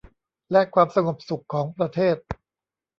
และความสงบสุขของประเทศ